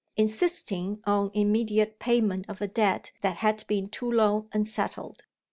insisting on immediate payment of a debt that had been too long unsettled.